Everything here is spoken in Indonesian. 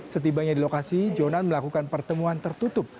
setibanya di lokasi jonan melakukan pertemuan tertutup